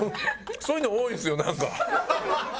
そういうのが多いですよなんか。